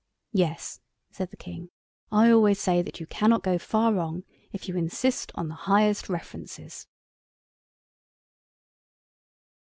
"Yes," said the King, "I always say that you cannot go far wrong if you insist on the highest references!"